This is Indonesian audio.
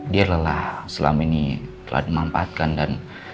dia lelah selama ini telah dimanfaatkan dan